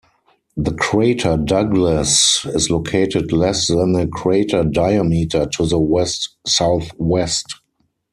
The crater Douglass is located less than a crater diameter to the west-southwest.